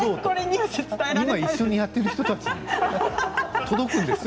今一緒にやっている人たちに届くんですよ